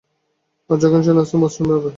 আর যখন সে নাচত, মসৃণভাবে।